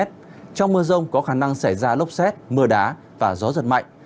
trong mưa rông có khả năng xảy ra lốc xét mưa đá và gió giật mạnh